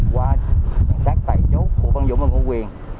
qua nhận xác tại chốt của văn dũng và ngô quyền